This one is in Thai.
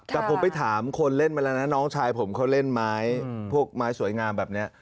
แต่ผมไปถามคนเล่นมาแล้วนะน้องชายผมเขาเล่นไม้พวกไม้สวยงามแบบนี้